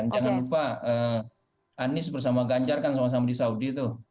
jangan lupa anies bersama ganjar kan sama sama di saudi tuh